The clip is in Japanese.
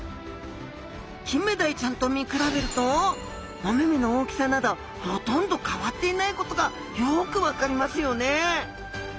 キンメダイちゃんと見比べるとお目々の大きさなどほとんど変わっていないことがよく分かりますよね。